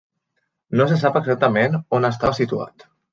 No se sap exactament on estava situat.